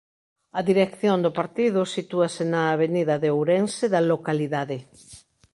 A dirección do partido sitúase na Avenida de Ourense da localidade.